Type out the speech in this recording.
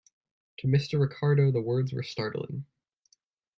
To Mr. Ricardo the words were startling.